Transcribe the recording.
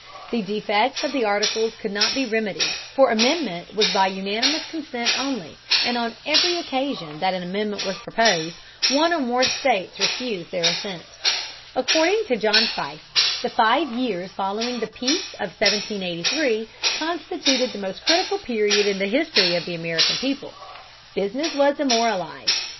The defects of the Articles could not be remedied, for amendment was by unanimous consent only, and on every occasion that an amendment was proposed, one or more states refused their assent. According to John Fiske, the five years following the peace of 1783 constituted the most critical period in the history of the American people. Business was demoralized.